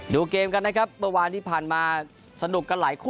ดูเกมกันนะครับเบาานที่ผ่านมาสนุกกันหลายช่วง